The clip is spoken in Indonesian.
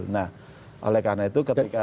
nah oleh karena itu ketika